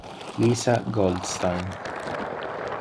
Lisa Goldstein